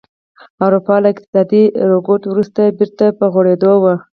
اروپا له اقتصادي رکود وروسته بېرته په غوړېدو وه